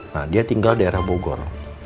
nah dia tinggal di daerah bogor